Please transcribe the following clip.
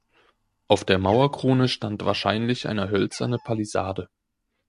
Auf der Mauerkrone stand wahrscheinlich eine hölzerne Palisade.